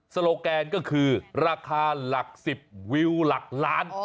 โลแกนก็คือราคาหลัก๑๐วิวหลักล้าน